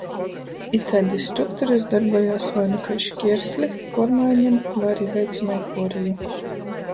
Itaidys strukturys dorbojās voi nu kai škiersli puormaiņom, voi ari veicynoj puoreju.